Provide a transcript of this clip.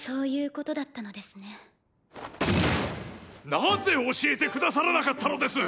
なぜ教えてくださらなかったのです！